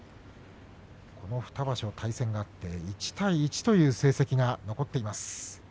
この２場所対戦があって１対１という成績が残っています。